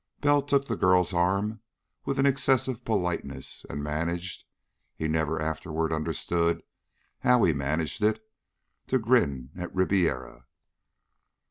Bell took the girl's arm with an excessive politeness and managed he never afterward understood how he managed it to grin at Ribiera.